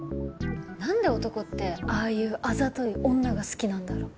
なんで男ってああいうあざとい女が好きなんだろう？